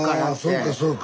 そうかそうか。